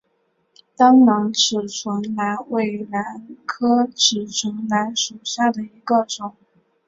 单囊齿唇兰为兰科齿唇兰属下的一个种。